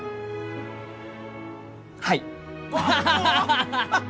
はい。